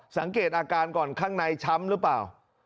สังเกตอาการก่อนข้างในช้ำหรือเปล่า